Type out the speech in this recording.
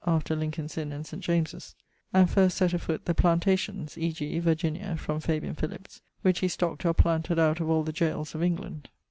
after Lincolne's Inne and St. James's); and first sett afoote the Plantations, e.g. Virginia (from Fabian Philips) which he stockt or planted out of all the gaoles of England.